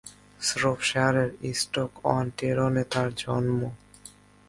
শ্রপশায়ারের Stoke on টেরনে তাঁর জন্ম।